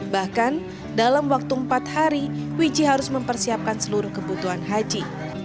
bahkan dalam waktu empat hari wiji harus mempersiapkan seluruh kebutuhan haji